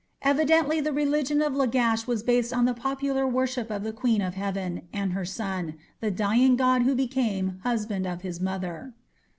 Evidently the religion of Lagash was based on the popular worship of the "Queen of Heaven", and her son, the dying god who became "husband of his mother".